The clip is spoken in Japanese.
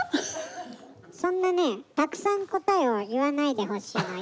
そんなねたくさん答えを言わないでほしいわよ。